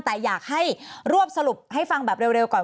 แต่อยากให้รวบสรุปให้ฟังแบบเร็วก่อน